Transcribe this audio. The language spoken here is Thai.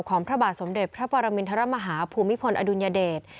พระบาทสมเด็จพระปรมินทรมาฮาภูมิพลอดุลยเดช